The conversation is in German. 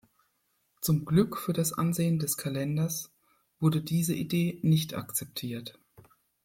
Zum Glück für das Ansehen des Kalenders wurde diese Idee nicht akzeptiert.